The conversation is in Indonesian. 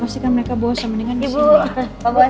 pastikan mereka bawa sama dengan disini